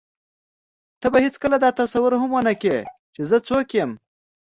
ته به هېڅکله دا تصور هم ونه کړې چې زه څوک یم.